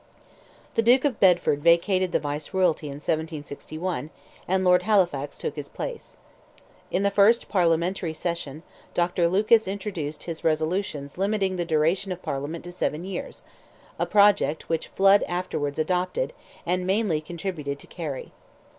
The Duke of Bedford vacated the viceroyalty in 1761, and Lord Halifax took his place. In the first parliamentary session, Dr. Lucas introduced his resolutions limiting the duration of Parliament to seven years, a project which Flood afterwards adopted and mainly contributed to carry.